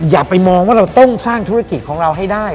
อย่าไปมองว่าเราต้องสร้างธุรกิจของเราให้ได้